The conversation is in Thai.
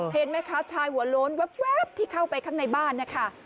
เห็นไหมคะชายหัวโล้นแว๊บที่เข้าไปข้างในบ้านนะคะ